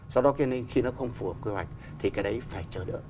sau đó khi nó không phù hợp quy hoạch thì cái đấy phải chờ đợi